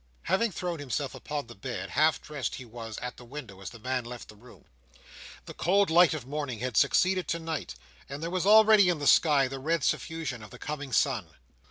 Having thrown himself upon the bed, half dressed he was at the window as the man left the room. The cold light of morning had succeeded to night and there was already, in the sky, the red suffusion of the coming sun.